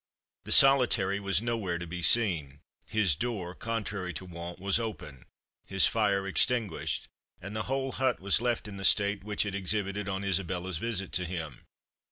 The Solitary was nowhere to be seen; his door, contrary to wont, was open, his fire extinguished, and the whole hut was left in the state which it exhibited on Isabella's visit to him.